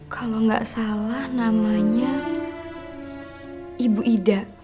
kalau nggak salah namanya ibu ida